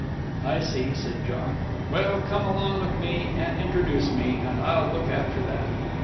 "I see," said John. "Well, come along with me and introduce me, and I'll look after that."